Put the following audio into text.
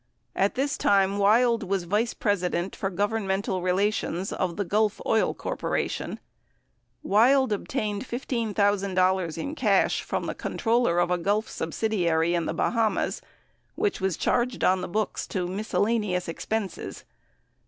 At this time, Wild was vice president for governmental relations of the Gulf Oil Corp. Wild obtained $15,000 in cash from the controller of a Gulf subsidiary in the Bahamas which was charged on the books to mis cellaneous expenses.